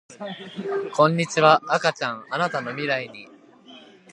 こんにちは赤ちゃんあなたの未来に